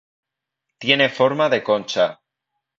Tiene forma de concha.